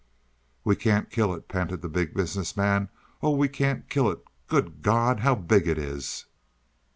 "We can't kill it," panted the Big Business Man. "Oh, we can't kill it. Good God, how big it is!"